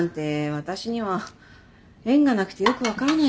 私には縁がなくてよく分からないけど。